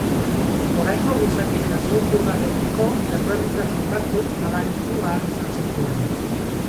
Oraingo gizakien hezurdurarekiko ezberdintasun batzuk nabaritu ahal izan zituen.